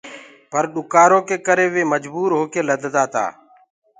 پر ڏُڪآرو ڪي ڪري وي مجبوٚر هوڪي لدتآ تا۔